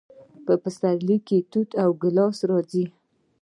په پسرلي کې توت او ګیلاس راځي.